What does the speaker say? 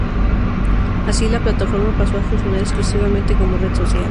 Así, la plataforma pasó a funcionar exclusivamente como red social.